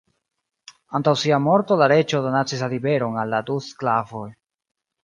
Antaŭ sia morto, la reĝo donacis la liberon al la du sklavoj.